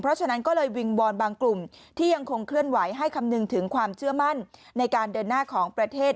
เพราะฉะนั้นก็เลยวิงวอนบางกลุ่มที่ยังคงเคลื่อนไหวให้คำนึงถึงความเชื่อมั่นในการเดินหน้าของประเทศ